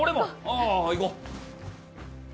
ああ、行こう。